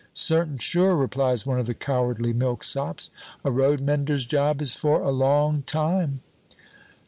'Certain sure,' replies one of the cowardly milksops. 'A road mender's job is for a long time.'